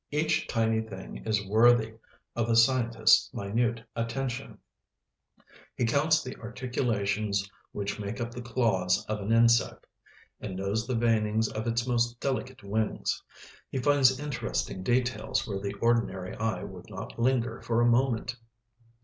Each tiny thing is worthy of the scientist's minute attention; he counts the articulations which make up the claws of an insect, and knows the veinings of its most delicate wings; he finds interesting details where the ordinary eye would not linger for a moment.